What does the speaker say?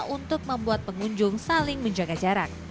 untuk membuat pengunjung saling menjaga jarak